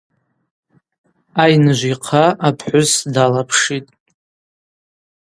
Айныжв йхъа апхӏвыс далапшитӏ.